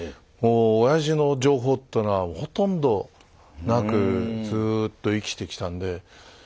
もうおやじの情報ってのはほとんどなくずっと生きてきたんで。